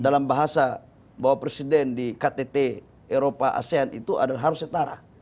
bagaimana kita bisa bahwa presiden di ktt eropa asean itu harus setara